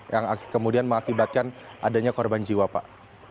yang kemudian mengakibatkan adanya korban jiwa pak